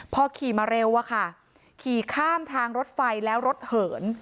พอขี่มาเร็วอะค่ะขี่ข้ามทางรถไฟแล้วรถเหิน